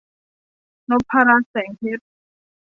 นพรัตน์ แสงเพชร